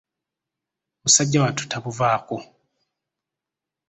Musajja wattu tabuvaako!